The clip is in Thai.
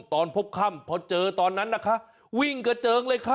ตอนพบค่ำพอเจอตอนนั้นนะคะวิ่งกระเจิงเลยค่ะ